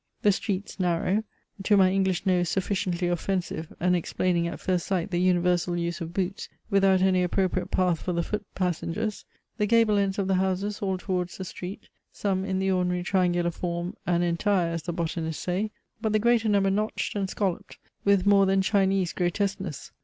The streets narrow; to my English nose sufficiently offensive, and explaining at first sight the universal use of boots; without any appropriate path for the foot passengers; the gable ends of the houses all towards the street, some in the ordinary triangular form and entire as the botanists say; but the greater number notched and scolloped with more than Chinese grotesqueness.